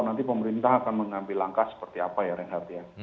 nanti pemerintah akan mengambil langkah seperti apa ya reinhardt ya